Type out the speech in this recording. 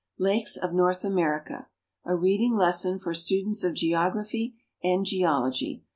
Lakes of North America: A Ilea<ling Lesson for Students of Geography and Geology.